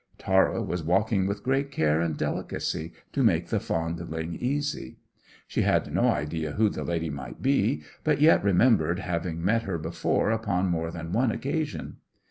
Tara was walking with great care and delicacy to make the fondling easy. She had no idea who the lady might be, but yet remembered having met her before upon more than one occasion.